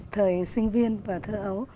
thời sinh viên và thơ ấu